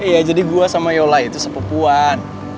iya jadi gue sama yola itu sepupuan